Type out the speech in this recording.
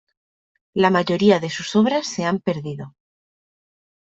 La mayoría de sus obras se ha perdido.